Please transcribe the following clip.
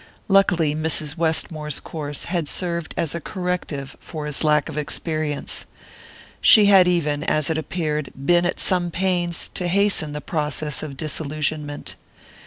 Luckily Mrs. Westmore's course had served as a corrective for his lack of experience; she had even, as it appeared, been at some pains to hasten the process of disillusionment.